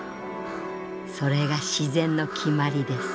それが自然の決まりです」。